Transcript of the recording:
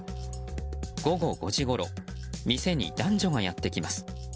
午後５時ごろ店に男女がやってきます。